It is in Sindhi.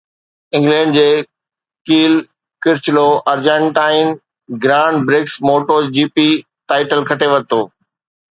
انگلينڊ جي Cal Crutchlow Argentine grand prix moto G P title کٽي ورتو